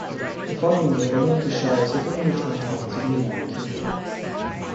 The following year the Lancashires again returned home to the United Kingdom.